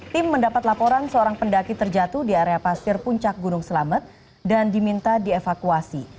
tim mendapat laporan seorang pendaki terjatuh di area pasir puncak gunung selamet dan diminta dievakuasi